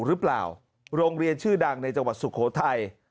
หรือเปล่าโรงเรียนชื่อดังในจังหวัดสุโขทัย